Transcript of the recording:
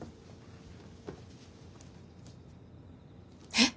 えっ？